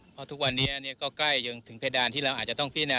เพราะทุกวันนี้ก็ใกล้ยังถึงเพดานที่เราอาจจะต้องพินา